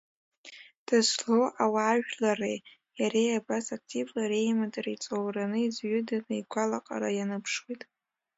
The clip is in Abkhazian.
Дызлоу ауаажәларреи иареи абас активла реимадара иҵоураны, изҩыданы игәалаҟара ианыԥшуеит.